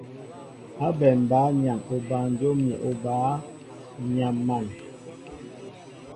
Ábɛm bǎyaŋ obanjóm ni obǎ, ǹ yam̀an.